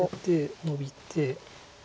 ノビて。